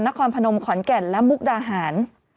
นครพนมขอนแก่นและมุกดาหาร